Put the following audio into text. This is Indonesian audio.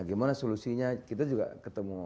gimana solusinya kita juga ketemu